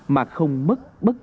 mà không mất bất an